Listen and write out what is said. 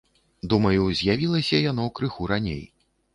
Думаю, з'явілася яно крыху раней.